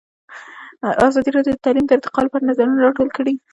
ازادي راډیو د تعلیم د ارتقا لپاره نظرونه راټول کړي.